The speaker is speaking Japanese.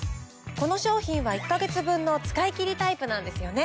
この商品は１ヵ月分の使い切りタイプなんですよね？